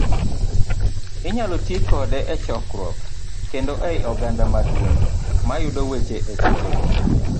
Inyalo ti kode e chakruok, kendo ei oganda maduong' mayudo weche e seche go.